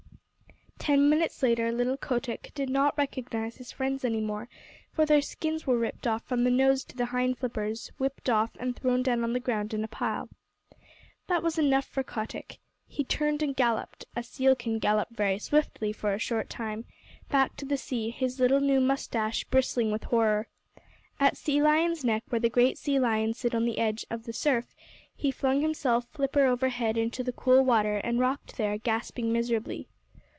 Ten minutes later little Kotick did not recognize his friends any more, for their skins were ripped off from the nose to the hind flippers, whipped off and thrown down on the ground in a pile. That was enough for Kotick. He turned and galloped (a seal can gallop very swiftly for a short time) back to the sea; his little new mustache bristling with horror. At Sea Lion's Neck, where the great sea lions sit on the edge of the surf, he flung himself flipper overhead into the cool water and rocked there, gasping miserably.